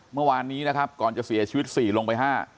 เมื่อวานนี้นะครับก่อนจะเสียชีวิต๔ลงไป๕